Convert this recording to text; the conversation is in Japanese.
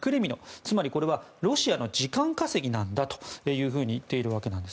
つまりこれはロシアの時間稼ぎなんだというふうに言っているわけなんです。